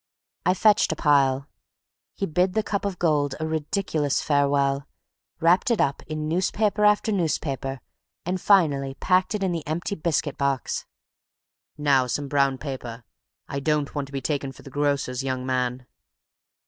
I fetched a pile. He bid the cup of gold a ridiculous farewell, wrapped it up in newspaper after newspaper, and finally packed it in the empty biscuit box. "Now some brown paper. I don't want to be taken for the grocer's young man."